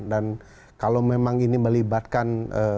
dan kalau memang ini melibatkan